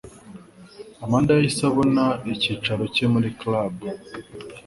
Amanda yahise abona icyicaro cye muri club